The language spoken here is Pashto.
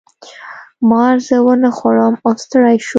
مار زه ونه خوړم او ستړی شو.